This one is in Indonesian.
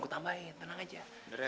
gua tambahin tenang aja